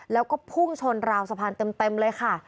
แล้วก็พุ่งชนราวสะพานเต็มเลยค่ะ